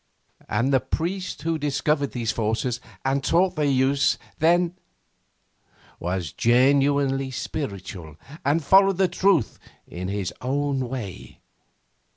'And the priest who discovered these forces and taught their use, then ?' 'Was genuinely spiritual and followed the truth in his own way.